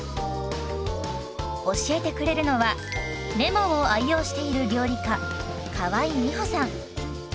教えてくれるのはレモンを愛用している料理家河井美歩さん。